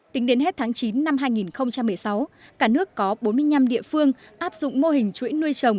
tính đến hết tháng chín năm hai nghìn một mươi sáu cả nước có bốn mươi năm địa phương áp dụng mô hình chuỗi nuôi trồng